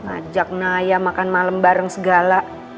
ajak naya makan malam bareng segala